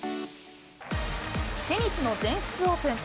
テニスの全仏オープン。